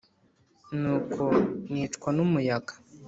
nuko nicwa n’umuyaga